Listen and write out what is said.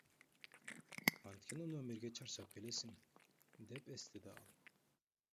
Анткени номерге чарчап келесиң, — деп эстеди ал.